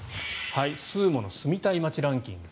ＳＵＵＭＯの住みたい街ランキング